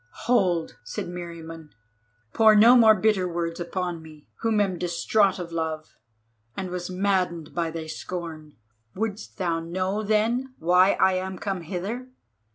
"Hold!" said Meriamun, "pour no more bitter words upon me, who am distraught of love, and was maddened by thy scorn. Wouldst thou know then why I am come hither?